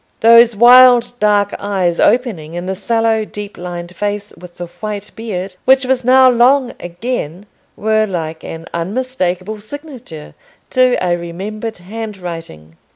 Those wild dark eyes opening in the sallow deep lined face, with the white beard, which was now long again, were like an unmistakable signature to a remembered handwriting.